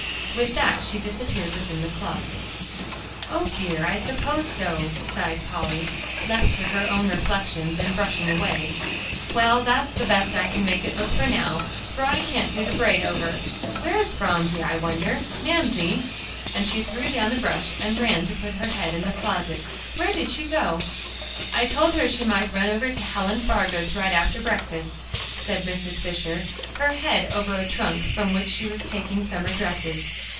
With that, she disappeared within the closet. "O dear, I suppose so," sighed Polly, left to her own reflections and brushing away. "Well, that's the best I can make it look now, for I can't do the braid over. Where is Phronsie, I wonder! Mamsie," she threw down the brush and ran over to put her head in the closet, "where did she go?" "I told her she might run over to Helen Fargo's, right after breakfast," said Mrs. Fisher, her head over a trunk, from which she was taking summer dresses.